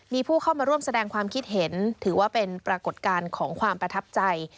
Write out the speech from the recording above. มีผู้เข้ามาร่วมแสดงความคิดเห็นถือว่าเป็นปรากฏการณ์ของความประทับใจ